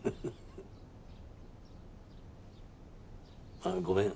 あっごめん。